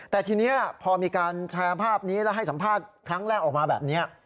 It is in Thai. แต่ทีนี้พอมีการแชร์ภาพนี้แล้วให้สัมภาษณ์ครั้งแรกออกมาแบบนี้